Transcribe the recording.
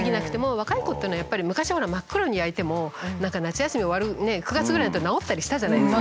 若い子っていうのはやっぱり昔ほら真っ黒に焼いても夏休み終わる９月ぐらいになったら治ったりしたじゃないですか。